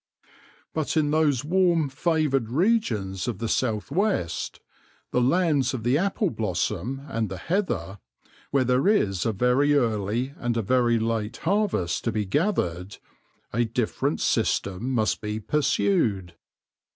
But in those warm, favoured regions of the south west, the lands of the apple blossom and the heather, where there is a very early and a very late harvest to be gathered, a different system must be pursued.